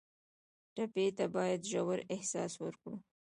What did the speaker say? ټپي ته باید ژور احساس ورکړو.